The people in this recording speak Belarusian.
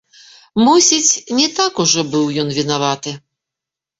Мусіць, не так ужо быў ён вінаваты.